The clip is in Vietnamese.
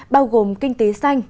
bao gồm kinh tế xanh